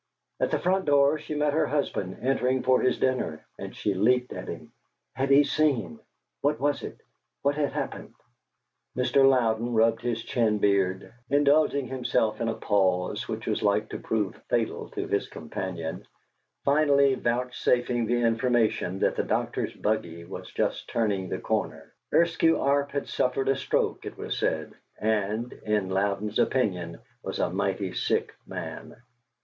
At the front door she met her husband, entering for his dinner, and she leaped at him. Had he seen? What was it? What had happened? Mr. Louden rubbed his chin beard, indulging himself in a pause which was like to prove fatal to his companion, finally vouchsafing the information that the doctor's buggy was just turning the corner; Eskew Arp had suffered a "stroke," it was said, and, in Louden's opinion, was a mighty sick man.